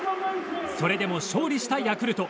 それでも勝利したヤクルト。